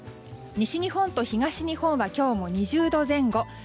西日本と東日本は今日も２０度前後。